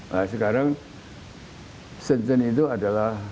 nah sekarang senson itu adalah